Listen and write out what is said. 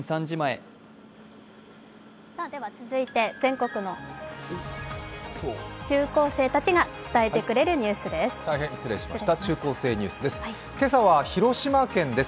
続いて全国の中高生たちが伝えてくれるニュースです。